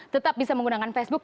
tetap bisa menggunakan facebook